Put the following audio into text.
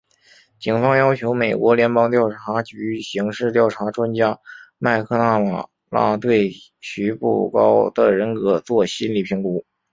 警方邀请美国联邦调查局刑事调查专家麦克纳马拉对徐步高的人格作心理评估。